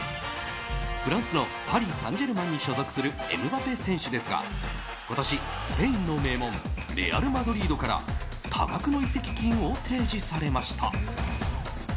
フランスのパリ・サンジェルマンに所属するエムバペ選手ですが今年、スペインの名門レアル・マドリードから多額の移籍金を提示されました。